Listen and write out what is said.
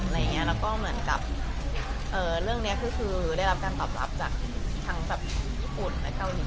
แล้วก็เหมือนกับเรื่องคือได้รับการตอบรับทางญี่ปุ่นกับเกาหยุ่น